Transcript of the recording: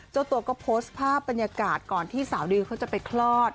เจ้าตัวก็โพสต์ภาพบรรยากาศก่อนที่สาวดิวเขาจะไปคลอด